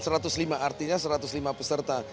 berarti yang satu ratus lima peserta